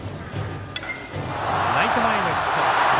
ライト前のヒット。